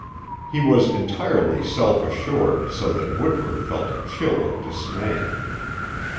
He was entirely self assured so that Woodward felt a chill of dismay.